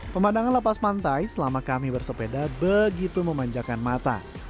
pemandangan lepas pantai selama kami bersepeda begitu memanjakan mata